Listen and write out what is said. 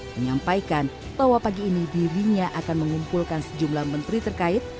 menyampaikan bahwa pagi ini dirinya akan mengumpulkan sejumlah menteri terkait